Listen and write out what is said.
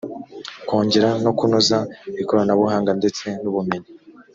kongera no kunoza ikoranabuhanga ndetse n’’ubumenyi